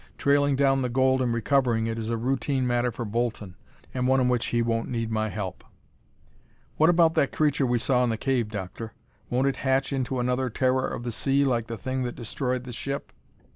Trailing down the gold and recovering it is a routine matter for Bolton, and one in which he won't need my help." "What about that creature we saw in the cave, Doctor? Won't it hatch into another terror of the sea like the thing that destroyed the ship?"